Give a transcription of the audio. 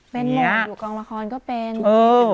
เป็นห่วงอยู่กองละครก็เป็น